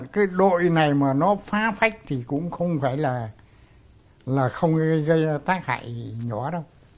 cái đội này mà nó phá phách thì cũng không phải là là không gây tác hại nhỏ đâu